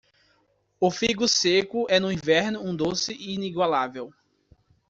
O figo seco é no inverno um doce inigualável.